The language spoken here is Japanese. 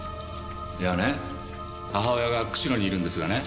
いやね母親が釧路にいるんですがね